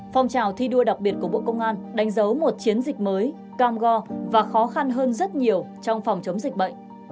phong trào thi đua đặc biệt của bộ công an đánh dấu một chiến dịch mới cam go và khó khăn hơn rất nhiều trong phòng chống dịch bệnh